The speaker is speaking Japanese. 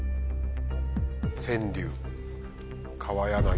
川柳川柳。